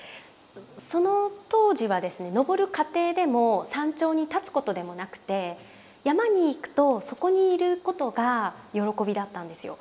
その当時はですね登る過程でも山頂に立つことでもなくて山に行くとそこにいることが喜びだったんですよ。